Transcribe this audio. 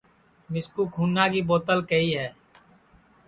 مِسکُو کُھونا کی ٻُوتل کیہی ہے